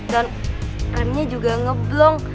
dan arnya juga ngeblong